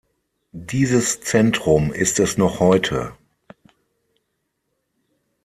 Dieses Zentrum ist es noch heute.